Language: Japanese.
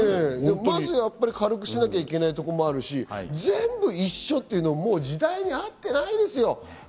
まず軽くしなきゃいけないところもあるし、全部一緒っていうのは時代に合ってないですよ。